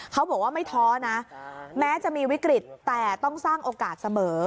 เขาบอกว่าไม่ท้อนะแม้จะมีวิกฤตแต่ต้องสร้างโอกาสเสมอ